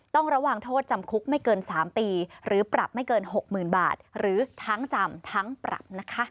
ต้องระวังโทษจำคุกไม่เกิน๓ปีหรือปรับไม่เกิน๖๐๐๐บาทหรือทั้งจำทั้งปรับนะคะ